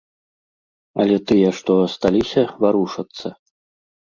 Але тыя, што асталіся, варушацца.